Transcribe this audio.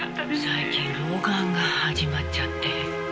「最近老眼が始まっちゃって」